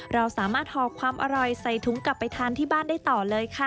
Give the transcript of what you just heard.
เราสามารถห่อความอร่อยใส่ถุงกลับไปทานที่บ้านได้ต่อเลยค่ะ